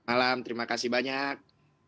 malam terima kasih banyak